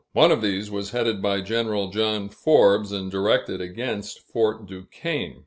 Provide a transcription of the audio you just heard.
One of these was headed by General John Forbes, and directed against Fort Duquesne.